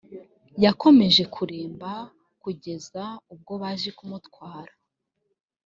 yakomeje kuremba kugeza ubwo baza kumutwara